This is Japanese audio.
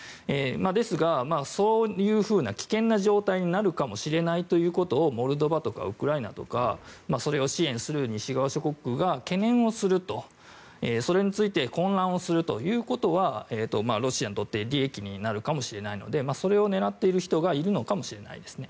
ですが、そういうふうな危険な状態になるかもしれないということをモルドバとかウクライナとかそれを支援する西側諸国が懸念するとそれについて混乱するということはロシアにとって利益になるかもしれないのでそれを狙っている人がいるのかもしれないですね。